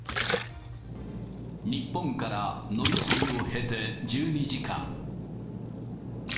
日本から乗り継ぎを経て１２時間。